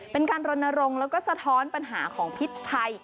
เป็นการรณรงค์แล้วก็สะท้อนปัญหาของพิษภัย